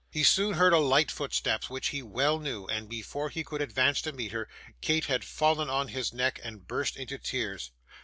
He soon heard a light footstep which he well knew, and before he could advance to meet her, Kate had fallen on his neck and burst into tears.